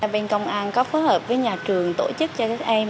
bên công an có phối hợp với nhà trường tổ chức cho các em